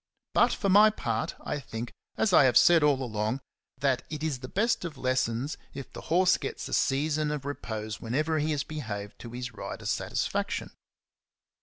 But for my part, I think, as I have said all along, that it is the best of lessons if the horse gets a season of repose whenever he has behaved to his rider's satisfaction.